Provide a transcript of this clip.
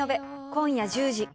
今夜１０時。